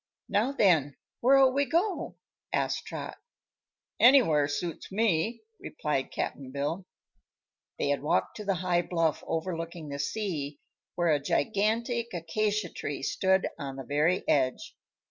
"Now, then, where'll we go?" asked Trot. "Anywhere suits me," replied Cap'n Bill. They had walked to the high bluff overlooking the sea, where a gigantic acacia tree stood on the very edge.